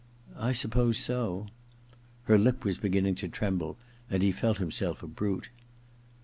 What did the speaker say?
' I suppose so.' Her lip was beginning to tremble, and he felt himself a brute.